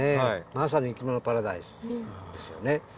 まさに「いきものパラダイス」ですよね。